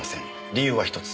理由は１つ。